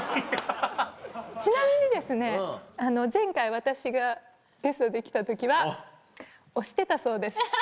ちなみに前回私がゲストで来た時は押してたそうです。